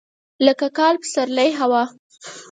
لکه کال، پسرلی، هوا.